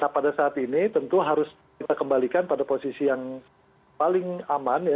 nah pada saat ini tentu harus kita kembalikan pada posisi yang paling aman ya